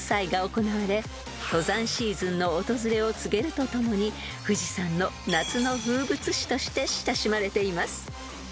行われ登山シーズンの訪れを告げると共に富士山の夏の風物詩として親しまれています］